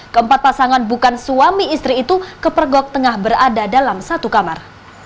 keempat pasangan bukan suami istri itu kepergok tengah berada dalam satu kamar